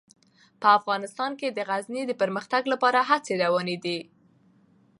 په افغانستان کې د غزني د پرمختګ لپاره هڅې روانې دي.